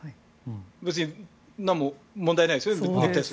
別に何も問題ないですよね。